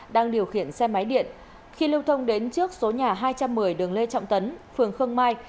đang điều khiển xe máy điện khi lưu thông đến trước số nhà hai trăm một mươi đường lê trọng tấn phường khương mai